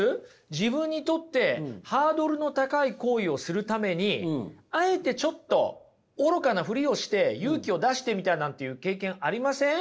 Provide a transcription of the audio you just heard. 自分にとってハードルの高い行為をするためにあえてちょっと愚かなふりをして勇気を出してみたなんていう経験ありません？